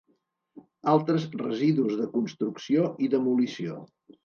Altres residus de construcció i demolició.